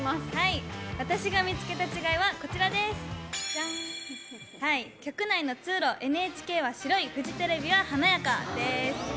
私が見つけた違いは「局内の廊下ＮＨＫは白いフジテレビは華やか」。